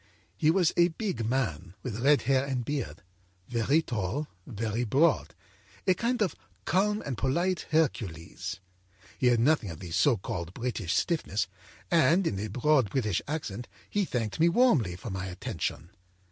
âHe was a big man, with red hair and beard, very tall, very broad, a kind of calm and polite Hercules. He had nothing of the so called British stiffness, and in a broad English accent he thanked me warmly for my attention.